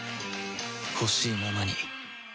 ほしいままに